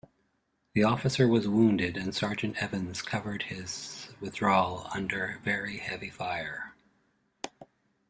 The officer was wounded and Sergeant Evans covered his withdrawal under very heavy fire.